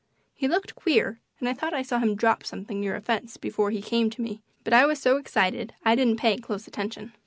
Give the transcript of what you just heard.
He looked queer and I thought I saw him drop something near a fence before he came to me, but I was so excited I didn't pay close attention.